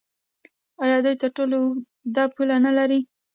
آیا دوی تر ټولو اوږده پوله نلري؟